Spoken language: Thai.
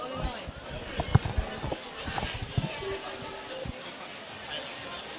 ก็เพียงรู้ว่าในกลุ่มนี้มีภัยหละครับ